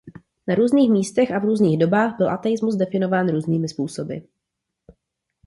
Na různých místech a v různých dobách byl ateismus definován různými způsoby.